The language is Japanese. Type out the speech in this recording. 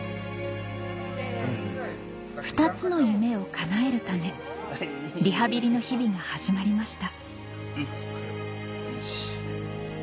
２つの夢をかなえるためリハビリの日々が始まりました